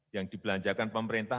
yang dibelanjakan pemerintah